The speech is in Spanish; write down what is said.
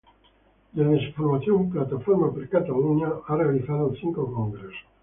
Desde su formación, Plataforma per Catalunya ha realizado cinco congresos.